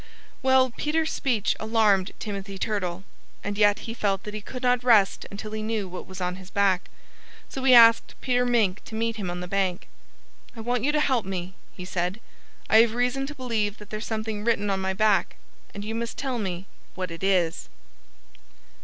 Well, Peter's speech alarmed Timothy Turtle. And yet he felt that he could not rest until he knew what was on his back. So he asked Peter Mink to meet him on the bank. "I want you to help me," he said. "I have reason to believe that there's something written on my back. And you must tell me what it is."